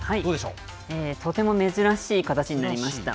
とても珍しい形になりました。